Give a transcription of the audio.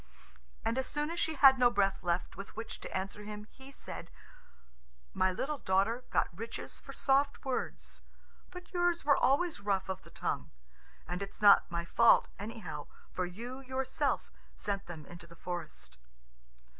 And as soon as she had no breath left with which to answer him, he said, "My little daughter got riches for soft words, but yours were always rough of the tongue. And it's not my fault, anyhow, for you yourself sent them into the forest."